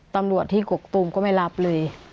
ตำรวจที่กกตูมก็ไม่รับเลย